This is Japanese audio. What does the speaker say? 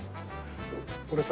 これさ